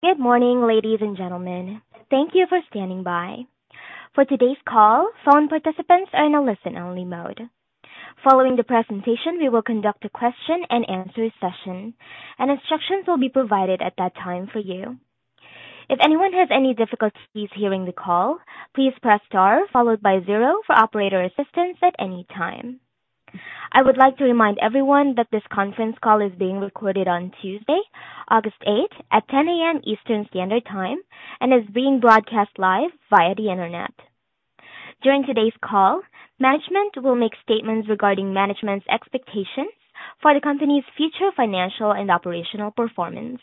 Good morning, ladies and gentlemen. Thank you for standing by. For today's call, phone participants are in a listen-only mode. Following the presentation, we will conduct a question and answer session, and instructions will be provided at that time for you. If anyone has any difficulties hearing the call, please press star followed by zero for operator assistance at any time. I would like to remind everyone that this conference call is being recorded on Tuesday, August 8th, at 10:00 A.M. Eastern Standard Time and is being broadcast live via the Internet. During today's call, management will make statements regarding management's expectations for the company's future financial and operational performance.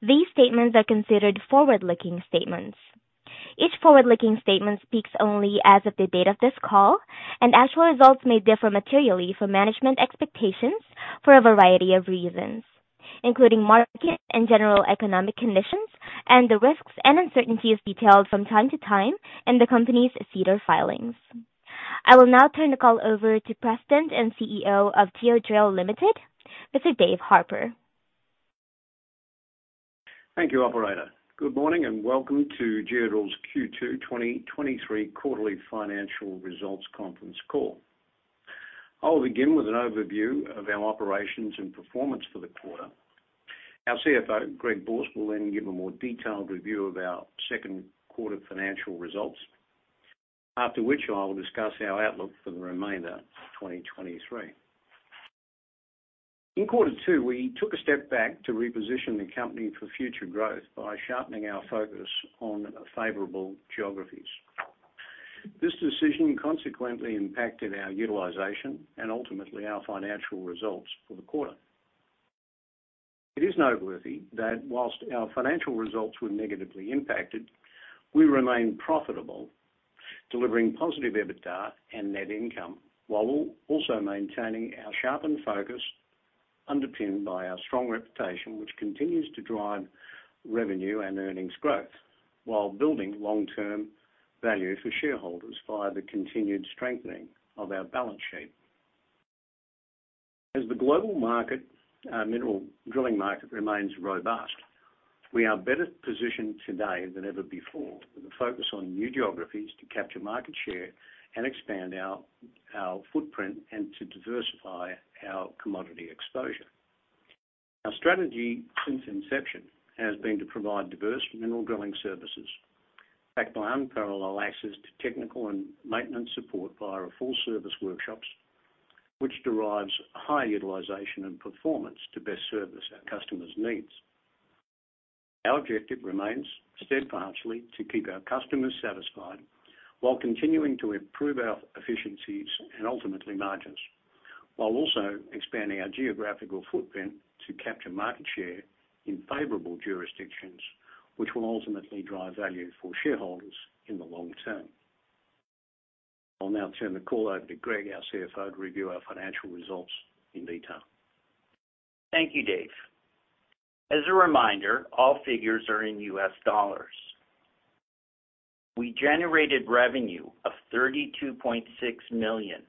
These statements are considered forward-looking statements. Each forward-looking statement speaks only as of the date of this call, and actual results may differ materially from management expectations for a variety of reasons, including market and general economic conditions, and the risks and uncertainties detailed from time to time in the company's SEDAR filings. I will now turn the call over to President and CEO of Geodrill Limited, Mr. Dave Harper. Thank you, operator. Good morning, and welcome to Geodrill's Q2 2023 quarterly financial results conference call. I will begin with an overview of our operations and performance for the quarter. Our CFO, Greg Borsk, will then give a more detailed review of our second quarter financial results. After which, I will discuss our outlook for the remainder of 2023. In Q2, we took a step back to reposition the company for future growth by sharpening our focus on favorable geographies. This decision consequently impacted our utilization and ultimately our financial results for the quarter. It is noteworthy that whilst our financial results were negatively impacted, we remained profitable, delivering positive EBITDA and net income, while also maintaining our sharpened focus, underpinned by our strong reputation, which continues to drive revenue and earnings growth, while building long-term value for shareholders via the continued strengthening of our balance sheet. As the global market, mineral drilling market remains robust, we are better positioned today than ever before, with a focus on new geographies to capture market share and expand our footprint and to diversify our commodity exposure. Our strategy since inception has been to provide diverse mineral drilling services, backed by unparalleled access to technical and maintenance support via our full service workshops, which derives high utilization and performance to best service our customers' needs. Our objective remains steadfastly to keep our customers satisfied while continuing to improve our efficiencies and ultimately margins, while also expanding our geographical footprint to capture market share in favorable jurisdictions, which will ultimately drive value for shareholders in the long term. I'll now turn the call over to Greg, our CFO, to review our financial results in detail. Thank you, Dave. As a reminder, all figures are in U.S. dollars. We generated revenue of $32.6 million,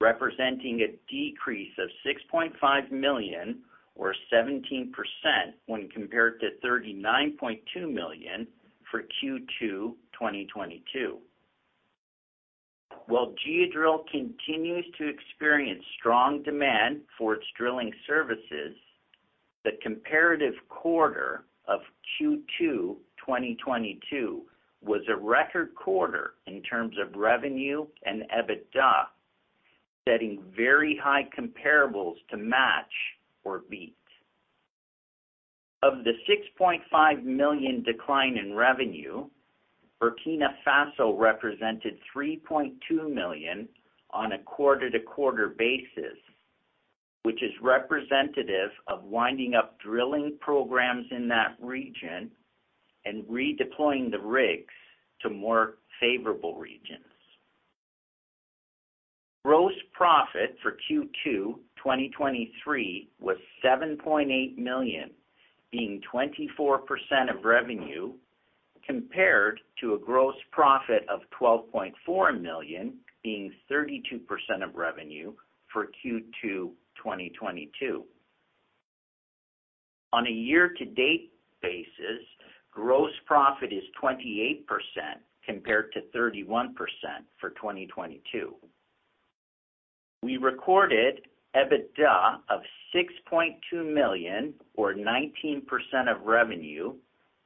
representing a decrease of $6.5 million or 17% when compared to $39.2 million for Q2 2022. While Geodrill continues to experience strong demand for its drilling services, the comparative quarter of Q2 2022 was a record quarter in terms of revenue and EBITDA, setting very high comparables to match or beat. Of the $6.5 million decline in revenue, Burkina Faso represented $3.2 million on a quarter-to-quarter basis, which is representative of winding up drilling programs in that region and redeploying the rigs to more favorable regions. Gross profit for Q2 2023 was $7.8 million, being 24% of revenue, compared to a gross profit of $12.4 million, being 32% of revenue for Q2 2022. On a year-to-date basis, gross profit is 28%, compared to 31% for 2022. We recorded EBITDA of $6.2 million, or 19% of revenue,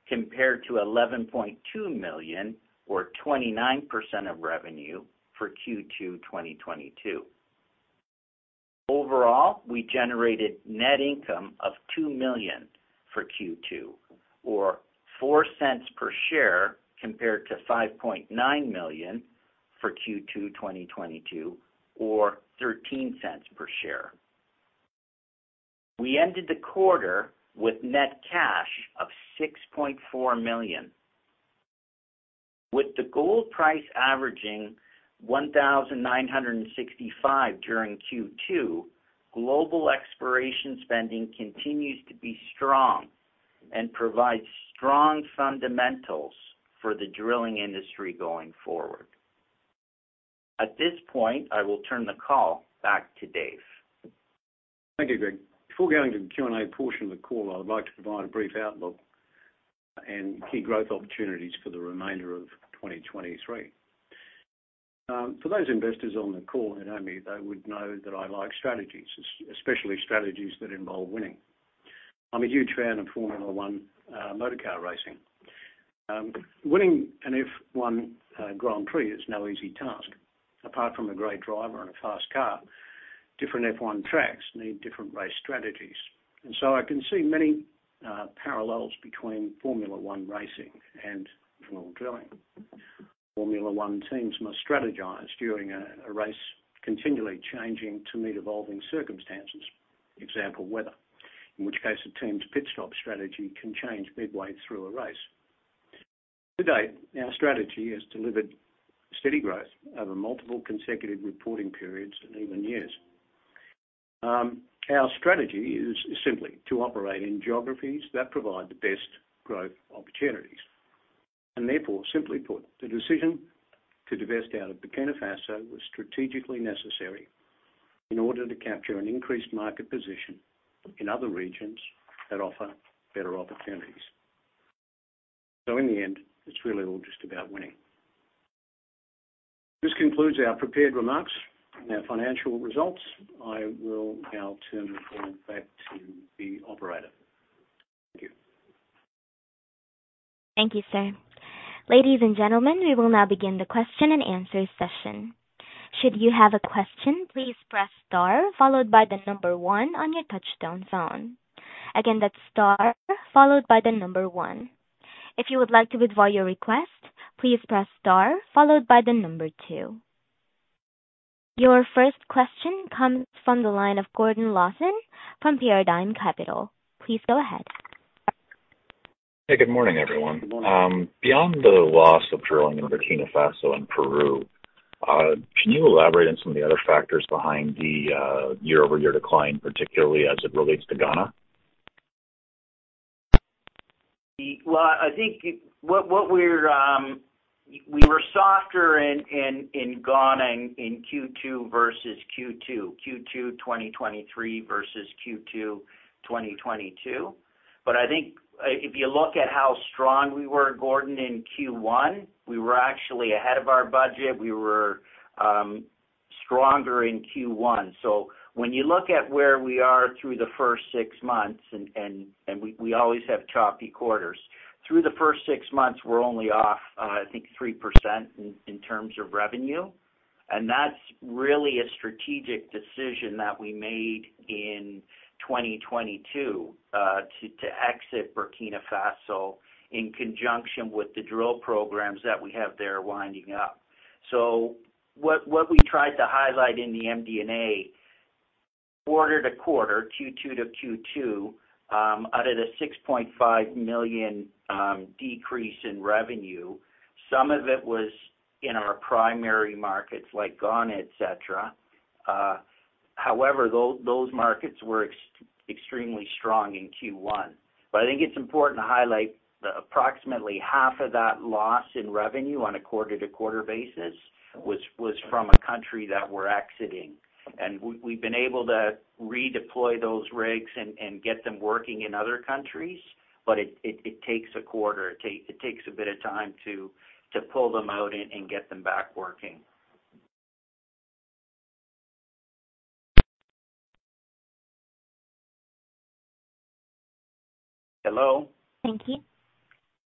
compared to $11.2 million, or 29% of revenue for Q2 2022. Overall, we generated net income of $2 million for Q2, or $0.04 per share, compared to $5.9 million for Q2 2022, or $0.13 per share. We ended the quarter with net cash of $6.4 million. With the gold price averaging $1,965 during Q2, global exploration spending continues to be strong and provides strong fundamentals for the drilling industry going forward. At this point, I will turn the call back to Dave. Thank you, Greg. Before going to the Q&A portion of the call, I would like to provide a brief outlook and key growth opportunities for the remainder of 2023. For those investors on the call that know me, they would know that I like strategies, especially strategies that involve winning. I'm a huge fan of Formula One motor car racing. Winning an F1 Grand Prix is no easy task. Apart from a great driver and a fast car, different F1 tracks need different race strategies. So I can see many parallels between Formula One racing and our drilling. Formula One teams must strategize during a, a race, continually changing to meet evolving circumstances. Example, weather, in which case a team's pit stop strategy can change midway through a race. To date, our strategy has delivered steady growth over multiple consecutive reporting periods and even years. Our strategy is simply to operate in geographies that provide the best growth opportunities. Therefore, simply put, the decision to divest out of Burkina Faso was strategically necessary in order to capture an increased market position in other regions that offer better opportunities. In the end, it's really all just about winning. This concludes our prepared remarks and our financial results. I will now turn the call back to the operator. Thank you. Thank you, sir. Ladies and gentlemen, we will now begin the question and answer session. Should you have a question, please press star followed by one on your touchtone phone. Again, that's star followed by one. If you would like to withdraw your request, please press star followed by two. Your first question comes from the line of Gordon Lawson from Paradigm Capital. Please go ahead. Hey, good morning, everyone. Good morning. Beyond the loss of drilling in Burkina Faso and Peru, can you elaborate on some of the other factors behind the year-over-year decline, particularly as it relates to Ghana? Well, I think what, what we're, we were softer in, in, in Ghana in Q2 versus Q2. Q2 2023 versus Q2 2022. I think if you look at how strong we were, Gordon, in Q1, we were actually ahead of our budget. We were stronger in Q1. When you look at where we are through the first six months, we always have choppy quarters. Through the first six months, we're only off, I think, 3% in terms of revenue. That's really a strategic decision that we made in 2022, to exit Burkina Faso, in conjunction with the drill programs that we have there winding up. What, what we tried to highlight in the MD&A, quarter-to-quarter, Q2-Q2, out of the $6.5 million decrease in revenue, some of it was in our primary markets like Ghana, et cetera. However, those markets were extremely strong in Q1. I think it's important to highlight approximately half of that loss in revenue on a quarter-to-quarter basis, was from a country that we're exiting, and we, we've been able to redeploy those rigs and get them working in other countries. It, it, it takes a quarter. It takes a bit of time to pull them out and get them back working. Hello? Thank you.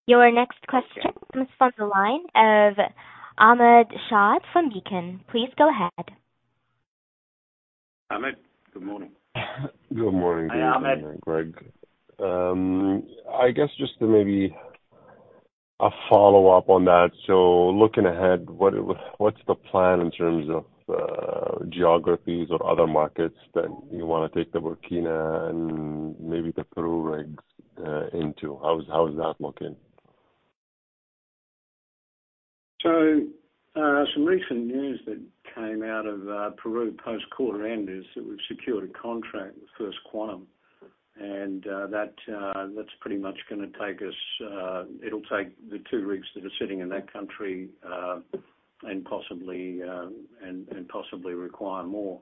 Your next question comes from the line of Ahmad Shaath from Beacon. Please go ahead. Ahmad, good morning. Good morning. Hi, Ahmad. Greg. I guess just to maybe a follow-up on that. Looking ahead, what's the plan in terms of geographies or other markets that you wanna take the Burkina and maybe the Peru rigs into? How is that looking? Some recent news that came out of Peru post-quarter end is that we've secured a contract with First Quantum, that's pretty much gonna take us. It'll take the two rigs that are sitting in that country, and possibly require more.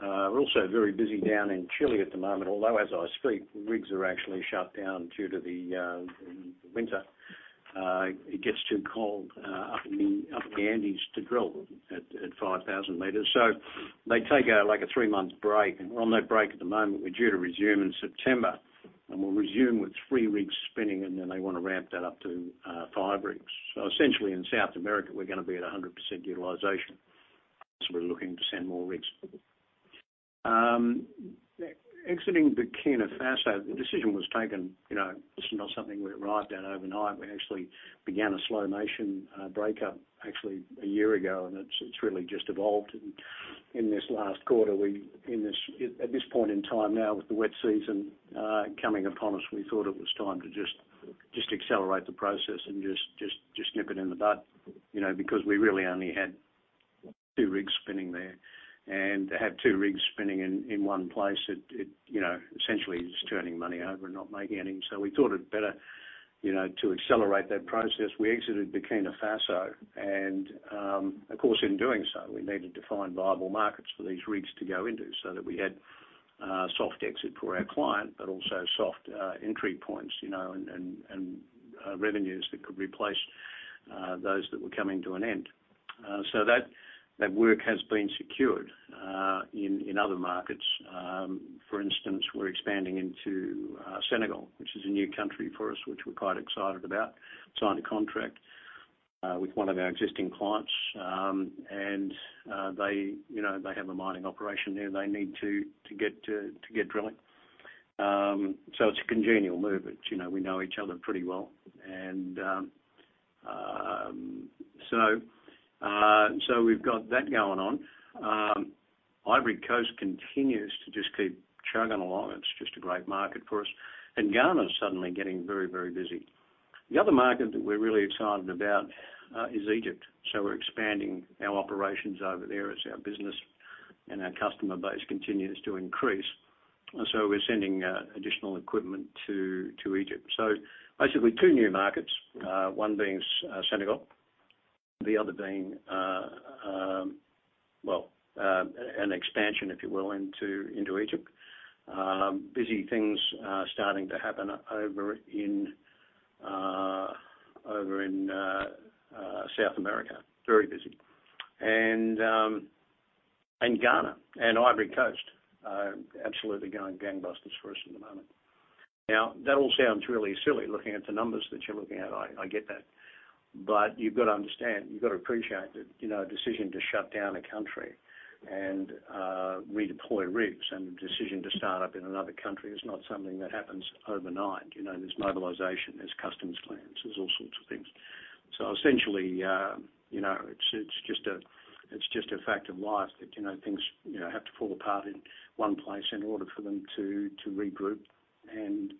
We're also very busy down in Chile at the moment, although as I speak, rigs are actually shut down due to the winter. It gets too cold up in the Andes to drill at 5,000 meters. They take like a three month break, and we're on that break at the moment. We're due to resume in September, and we'll resume with three rigs spinning, and then they want to ramp that up to five rigs. Essentially in South America, we're gonna be at 100% utilization. We're looking to send more rigs. Exiting Burkina Faso, the decision was taken. You know, this is not something we arrived at overnight. We actually began a slow-motion breakup actually a year ago, and it's, it's really just evolved. In this last quarter, at this point in time now, with the wet season coming upon us, we thought it was time to just, just accelerate the process and just, just, just nip it in the bud, you know, because we really only had two rigs spinning there. To have two rigs spinning in one place, it, it, you know, essentially just turning money over and not making any. We thought it better, you know, to accelerate that process. We exited Burkina Faso. Of course, in doing so, we needed to find viable markets for these rigs to go into so that we had soft exit for our client, but also soft entry points, you know, and, and, and revenues that could replace those that were coming to an end. That work has been secured in other markets. For instance, we're expanding into Senegal, which is a new country for us, which we're quite excited about. Signed a contract with one of our existing clients. They, you know, they have a mining operation there. They need to get drilling. It's a congenial move, it's, you know, we know each other pretty well. We've got that going on. Ivory Coast continues to just keep chugging along. It's just a great market for us. Ghana is suddenly getting very, very busy. The other market that we're really excited about is Egypt, so we're expanding our operations over there as our business and our customer base continues to increase. We're sending additional equipment to Egypt. Basically, two new markets, one being Senegal, the other being, well, an expansion, if you will, into Egypt. Busy things starting to happen over in South America. Very busy. Ghana and Ivory Coast are absolutely going gangbusters for us at the moment. That all sounds really silly, looking at the numbers that you're looking at. I get that. You've got to understand, you've got to appreciate that, you know, a decision to shut down a country and redeploy rigs and the decision to start up in another country is not something that happens overnight. You know, there's mobilization, there's customs clearance, there's all sorts of things. Essentially, you know, it's, it's just a, it's just a fact of life that, you know, things, you know, have to fall apart in one place in order for them to, to regroup and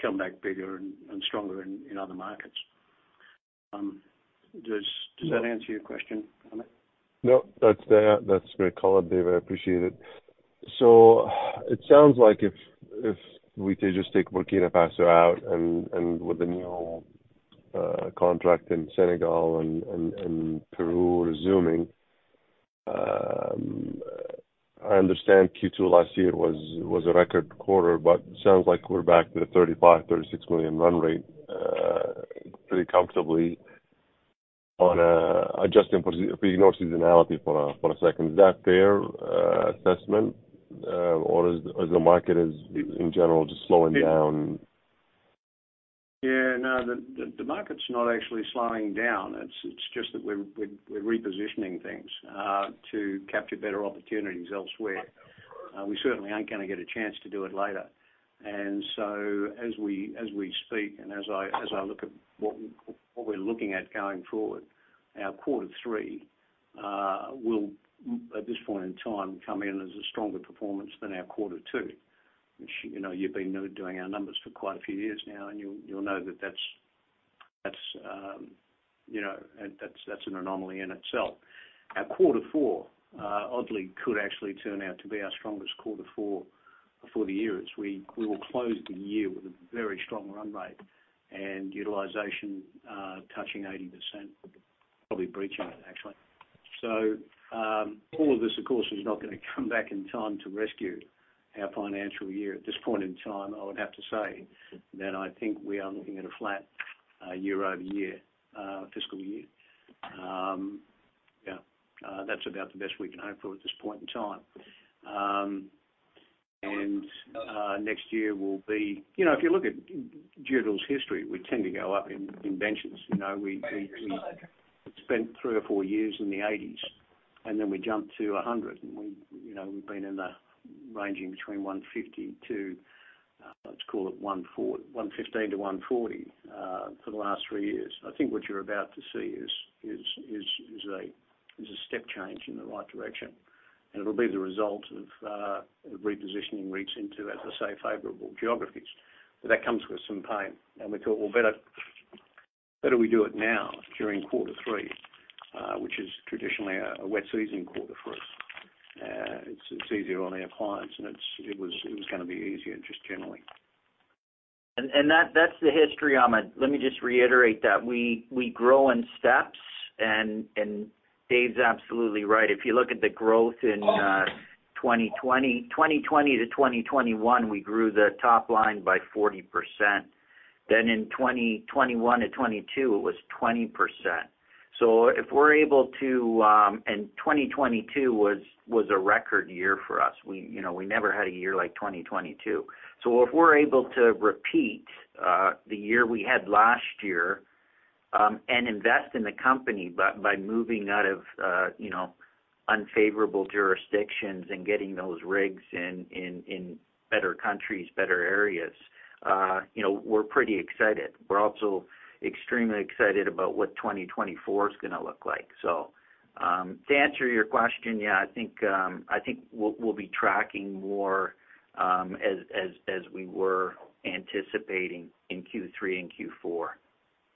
come back bigger and, and stronger in, in other markets. Does, does that answer your question, Ahmad? No, that's, yeah, that's a great call, Dave. I appreciate it. It sounds like if, if we could just take Burkina Faso out and, and with the new contract in Senegal and, and Peru resuming, I understand Q2 last year was, was a record quarter, but it sounds like we're back to the $35 million-$36 million run rate pretty comfortably on adjusting for if you ignore seasonality for a second. Is that fair assessment, or is the market in general just slowing down? Yeah, no, the, the, the market's not actually slowing down. It's, it's just that we're, we're, we're repositioning things, to capture better opportunities elsewhere. We certainly aren't gonna get a chance to do it later. As we, as we speak and as I, as I look at what we're looking at going forward, our quarter three, will, at this point in time, come in as a stronger performance than our quarter two, which, you know, you've been doing our numbers for quite a few years now, and you, you'll know that that's, that's, you know, that's, that's an anomaly in itself. Our quarter four, oddly, could actually turn out to be our strongest quarter four for the year as we, we will close the year with a very strong run rate and utilization, touching 80%. Probably breaching it, actually. All of this, of course, is not gonna come back in time to rescue our financial year. At this point in time, I would have to say that I think we are looking at a flat, year-over-year, fiscal year. Yeah, that's about the best we can hope for at this point in time. Next year will be... You know, if you look at Geodrill's history, we tend to go up in benches. You know, we, we, we spent three or four years in the 80s, and then we jumped to 100, and we, you know, we've been in the ranging between 150-115-140 for the last three years. I think what you're about to see is a step change in the right direction, and it'll be the result of repositioning rigs into, as I say, favorable geographies. That comes with some pain, and we thought, well, better we do it now during quarter three, which is traditionally a wet season quarter for us. It's easier on our clients, and it was gonna be easier just generally. That's the history, Ahmad. Let me just reiterate that. We, we grow in steps, Dave's absolutely right. If you look at the growth in 2020, 2020-2021, we grew the top line by 40%. In 2021-2022, it was 20%. If we're able to... 2022 was, was a record year for us. We, you know, we never had a year like 2022. If we're able to repeat the year we had last year, and invest in the company by, by moving out of, you know, unfavorable jurisdictions and getting those rigs in, in, in better countries, better areas, you know, we're pretty excited. We're also extremely excited about what 2024 is gonna look like. To answer your question, yeah, I think, I think we'll, we'll be tracking more, as, as, as we were anticipating in Q3 and Q4.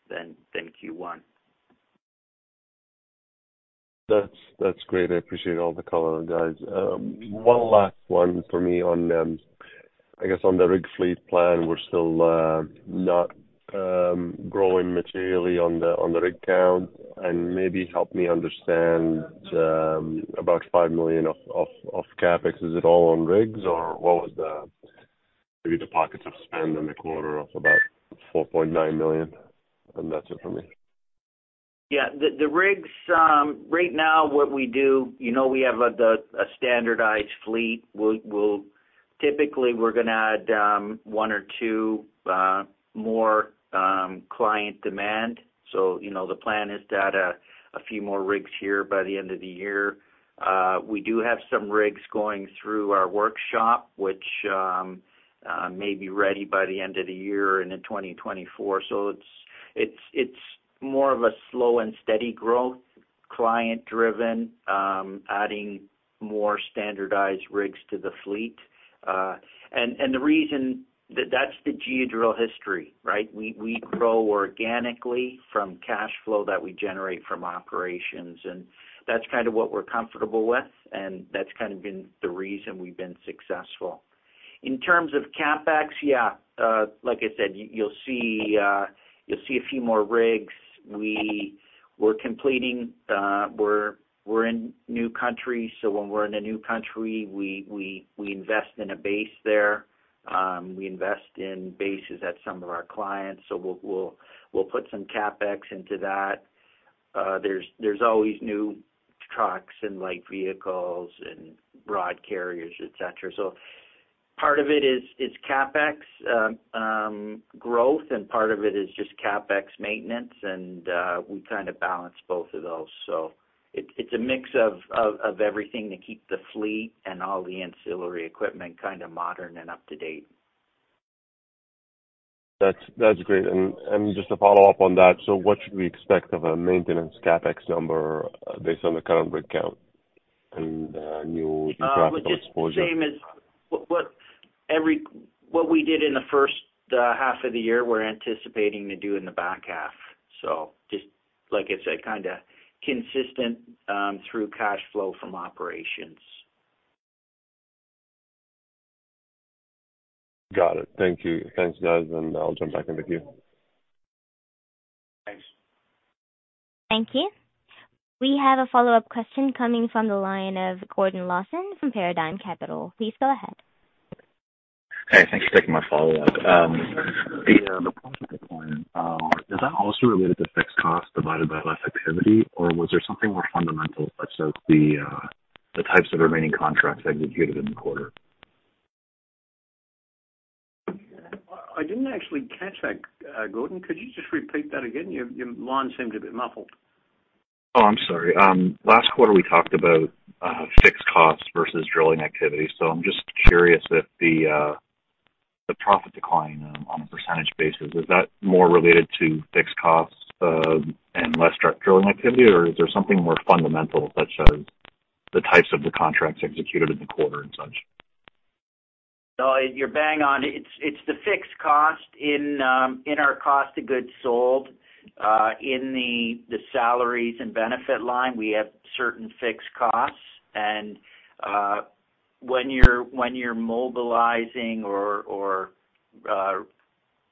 than, than Q1. That's, that's great. I appreciate all the color, guys. One last one for me on, I guess on the rig fleet plan, we're still not growing materially on the rig count, maybe help me understand, about $5 million of, of, of CapEx. Is it all on rigs, or what was the, maybe the pockets of spend in the quarter of about $4.9 million? That's it for me. Yeah, the, the rigs, right now, what we do, you know, we have a, the, a standardized fleet. We'll typically, we're gonna add one or two more client demand. You know, the plan is to add a few more rigs here by the end of the year. We do have some rigs going through our workshop, which may be ready by the end of the year and in 2024. It's, it's, it's more of a slow and steady growth, client-driven, adding more standardized rigs to the fleet. The reason... That's the Geodrill history, right? We, we grow organically from cash flow that we generate from operations, and that's kind of what we're comfortable with, and that's kind of been the reason we've been successful. In terms of CapEx, yeah, like I said, you'll see, you'll see a few more rigs. We're completing, we're, we're in new countries, so when we're in a new country, we, we, we invest in a base there. We invest in bases at some of our clients, so we'll, we'll, we'll put some CapEx into that. There's, there's always new trucks and light vehicles and rod carriers, et cetera. Part of it is, is CapEx growth, and part of it is just CapEx maintenance, and we kind of balance both of those. It's, it's a mix of, of, of everything to keep the fleet and all the ancillary equipment kind of modern and up-to-date. That's, that's great. Just to follow up on that, what should we expect of a maintenance CapEx number based on the current rig count and new contractual exposure? Which is the same as what we did in the first half of the year, we're anticipating to do in the back half. Just like I said, kinda consistent, through cash flow from operations. Got it. Thank you. Thanks, guys, and I'll jump back in the queue. Thanks. Thank you. We have a follow-up question coming from the line of Gordon Lawson from Paradigm Capital. Please go ahead. Hey, thank you for taking my follow-up. The point, is that also related to fixed costs divided by less activity, or was there something more fundamental, such as the types of remaining contracts executed in the quarter? I didn't actually catch that, Gordon. Could you just repeat that again? Your, your line seemed a bit muffled. Oh, I'm sorry. Last quarter, we talked about fixed costs versus drilling activity. I'm just curious if the profit decline, on a percentage basis, is that more related to fixed costs and less drilling activity? Or is there something more fundamental, such as the types of the contracts executed in the quarter and such? No, you're bang on. It's, it's the fixed cost in, in our cost to goods sold. In the, the salaries and benefit line, we have certain fixed costs, and when you're, when you're mobilizing or, or,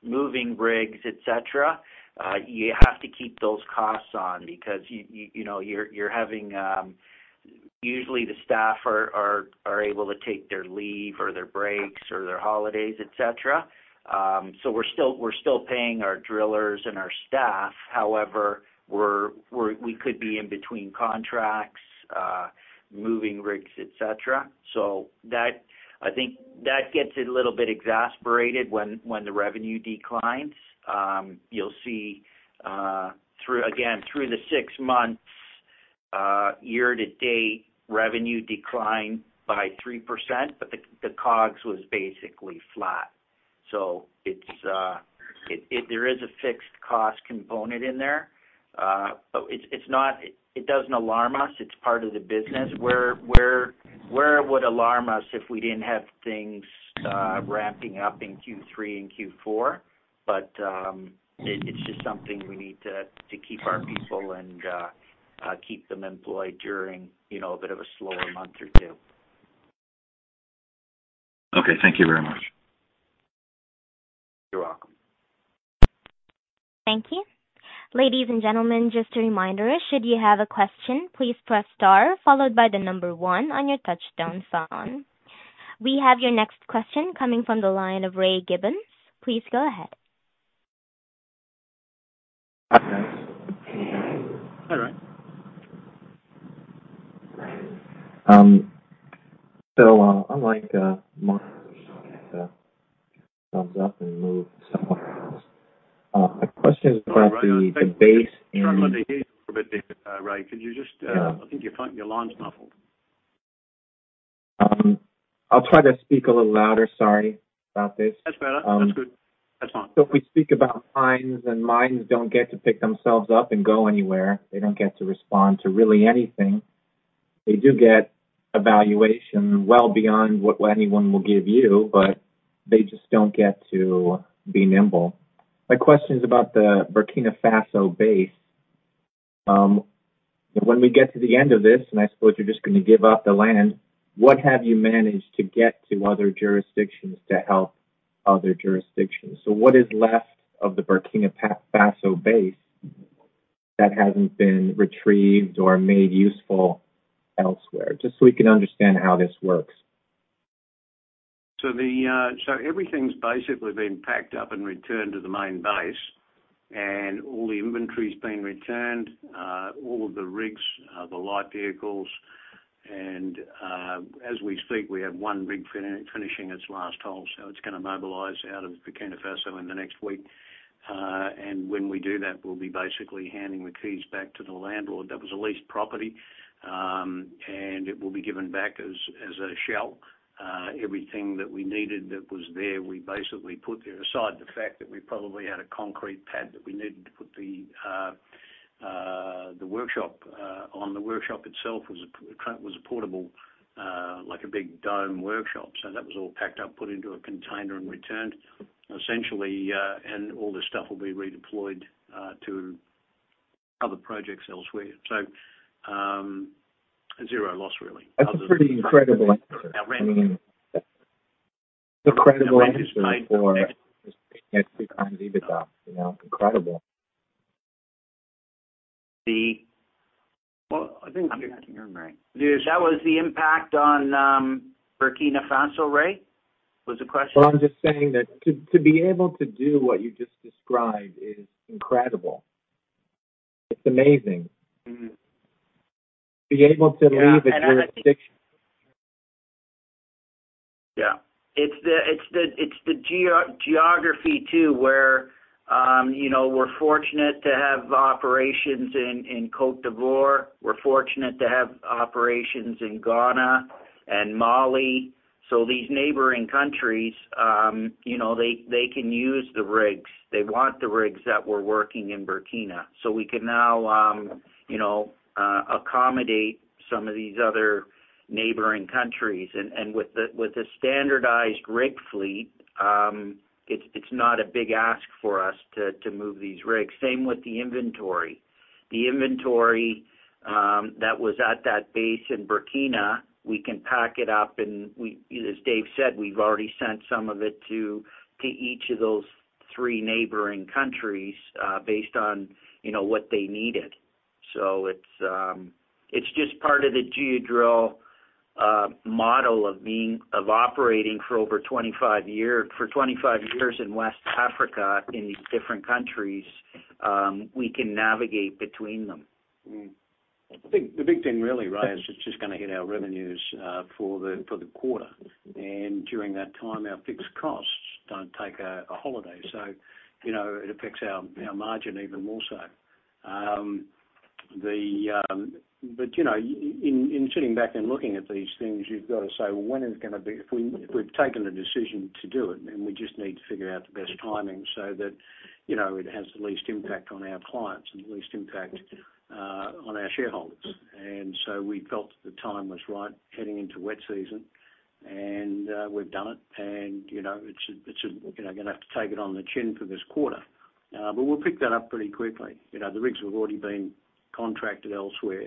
moving rigs, et cetera, you have to keep those costs on because you know, you're, you're having... Usually, the staff are able to take their leave or their breaks or their holidays, et cetera. We're still, we're still paying our drillers and our staff. However, we're, we could be in between contracts, moving rigs, et cetera. That, I think, that gets a little bit exasperated when, when the revenue declines. You'll see, through, again, through the 6 months, year to date, revenue declined by 3%, but the, the COGS was basically flat. It's there is a fixed cost component in there. It doesn't alarm us. It's part of the business. Where it would alarm us if we didn't have things ramping up in Q3 and Q4. It's just something we need to, to keep our people and keep them employed during, you know, a bit of a slower month or two. Okay. Thank you very much. You're welcome. Thank you. Ladies and gentlemen, just a reminder, should you have a question, please press star followed by the number one on your touch-tone phone. We have your next question coming from the line of Ray Gibbons. Please go ahead. Hi, guys. All right. unlike Mark, thumbs up and move somewhere else. My question is about the base. Sorry, Ray, could you just Yeah. I think your line's muffled. I'll try to speak a little louder. Sorry about this. That's better. That's good. That's fine. If we speak about mines, and mines don't get to pick themselves up and go anywhere, they don't get to respond to really anything. They do get a valuation well beyond what anyone will give you, but they just don't get to be nimble. My question is about the Burkina Faso base. When we get to the end of this, and I suppose you're just gonna give up the land, what have you managed to get to other jurisdictions to help other jurisdictions? What is left of the Burkina Faso base that hasn't been retrieved or made useful elsewhere? Just so we can understand how this works. Everything's basically been packed up and returned to the main base, and all the inventory's been returned, all of the rigs, the light vehicles. As we speak, we have one rig finishing its last hole, so it's gonna mobilize out of Burkina Faso in the next week. When we do that, we'll be basically handing the keys back to the landlord. That was a leased property, and it will be given back as, as a shell. Everything that we needed that was there, we basically put there, aside the fact that we probably had a concrete pad that we needed to put the workshop on. The workshop itself was a portable, like a big dome workshop. That was all packed up, put into a container and returned. Essentially, and all the stuff will be redeployed to other projects elsewhere. zero loss, really. That's a pretty incredible answer. I mean, incredible entry for this kind of EBITDA, you know, incredible. The... Well, I think I can hear me. That was the impact on Burkina Faso, Ray? Was the question. Well, I'm just saying that to, to be able to do what you just described is incredible. It's amazing. Mm-hmm. To be able to leave a jurisdiction. Yeah. It's the, it's the, it's the geography, too, where, you know, we're fortunate to have operations in Cote d'Ivoire. We're fortunate to have operations in Ghana and Mali. These neighboring countries, you know, they, they can use the rigs. They want the rigs that we're working in Burkina. We can now, you know, accommodate some of these other neighboring countries. With the, with the standardized rig fleet, it's, it's not a big ask for us to, to move these rigs. Same with the inventory. The inventory that was at that base in Burkina, we can pack it up, and we... As Dave said, we've already sent some of it to, to each of those three neighboring countries, based on, you know, what they needed. It's, it's just part of the Geodrill model of being, of operating for over 25 year, for 25 years in West Africa, in these different countries. We can navigate between them. The big, the big thing really, Ray, is it's just gonna hit our revenues for the quarter. During that time, our fixed costs don't take a holiday, so, you know, it affects our margin even more so. You know, in sitting back and looking at these things, you've got to say, well, when is it gonna be... If we, we've taken the decision to do it, and we just need to figure out the best timing so that, you know, it has the least impact on our clients and the least impact on our shareholders. So we felt the time was right, heading into wet season, and we've done it. You know, it's a, it's a, you know, gonna have to take it on the chin for this quarter. We'll pick that up pretty quickly. You know, the rigs have already been contracted elsewhere.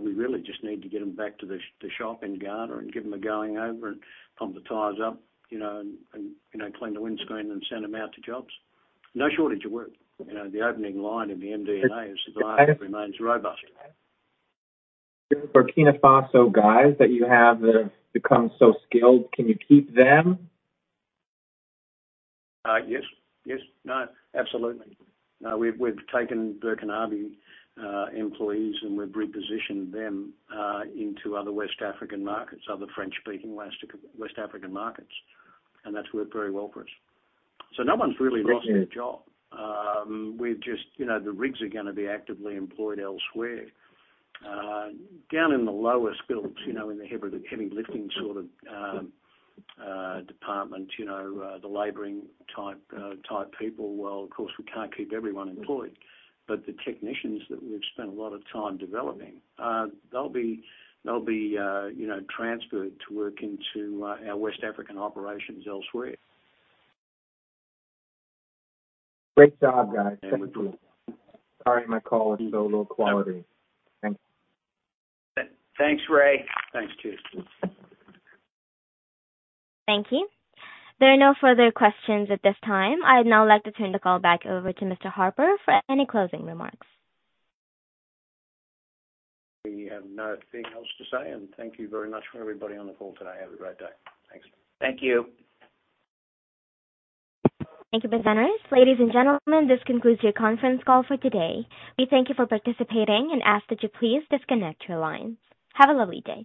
We really just need to get them back to the shop in Ghana and give them a going over and pump the tires up, you know, and, you know, clean the windscreen and send them out to jobs. No shortage of work. You know, the opening line in the MD&A is, "Demand remains robust. Burkina Faso guys that you have that have become so skilled, can you keep them? Yes. Yes. No, absolutely. We've, we've taken Burkinabe employees, and we've repositioned them into other West African markets, other French-speaking West African markets, and that's worked very well for us. No one's really lost their job. We've just, you know, the rigs are gonna be actively employed elsewhere. Down in the lower skills, you know, in the heavy, heavy lifting sort of department, you know, the laboring type type people, well, of course, we can't keep everyone employed. The technicians that we've spent a lot of time developing, they'll be, they'll be, you know, transferred to work into our West African operations elsewhere. Great job, guys. Thank you. Sorry, my call is so low quality. Thanks. Thanks, Ray. Thanks, too. Thank you. There are no further questions at this time. I'd now like to turn the call back over to Mr. Harper for any closing remarks. We have nothing else to say, and thank you very much for everybody on the call today. Have a great day. Thanks. Thank you. Thank you, presenters. Ladies and gentlemen, this concludes your conference call for today. We thank you for participating and ask that you please disconnect your line. Have a lovely day.